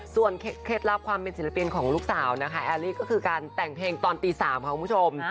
เคล็ดลับความเป็นศิลปินของลูกสาวนะคะแอลลี่ก็คือการแต่งเพลงตอนตี๓ค่ะคุณผู้ชม